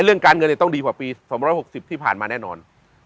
เรื่องการเงินต้องดีกว่าปี๒๖๐บแน่นอน